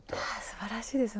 すばらしいです。